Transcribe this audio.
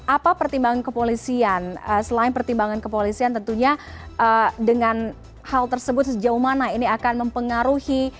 apa pertimbangan kepolisian selain pertimbangan kepolisian tentunya dengan hal tersebut sejauh mana ini akan mempengaruhi